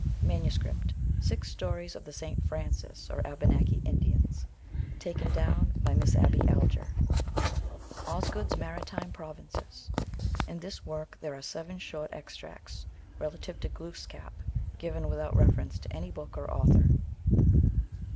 Manuscript: Six Stories of the St. Francis or Abenaki Indians. Taken down by Miss Abby Alger. Osgood s Maritime Provinces. In this work there are seven short extracts relative to Glooskap given without reference to any book or author.